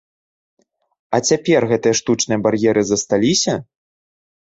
А цяпер гэтыя штучныя бар'еры засталіся?